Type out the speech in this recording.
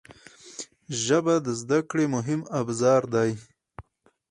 ژبه د زده کړې مهم ابزار دی